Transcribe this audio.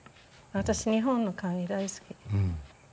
私日本の紙大好き。